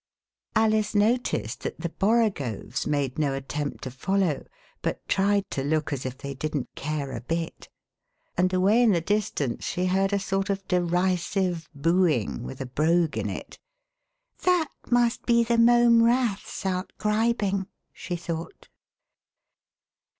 Alice noticed that the Borogoves made no attempt to follow, but tried to look as if they didn't care a bit. And away in the distance she heard a sort of derisive booing, with a brogue in it. That must be the Mome Raths outgribing," she thought.